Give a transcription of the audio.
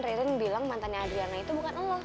ririn bilang mantannya adriana itu bukan lo